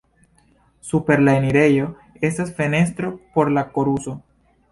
Super la enirejo estas fenestro por la koruso.